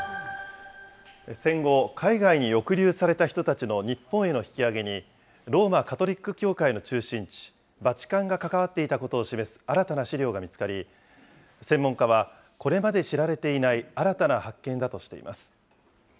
戦後、海外に抑留された人たちの日本への引き揚げに、ローマ・カトリック教会の中心地、バチカンが関わっていたことを示す新たな資料が見つかり、専門家は、これまで知られていない新たな発見だとしています。